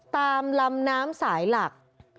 ตามลำน้ำสายหลัก